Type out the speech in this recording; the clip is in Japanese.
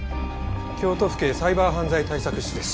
京都府警サイバー犯罪対策室です。